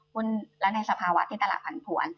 หุ้นร้านไทยสภาวะที่ตลาดผันผวน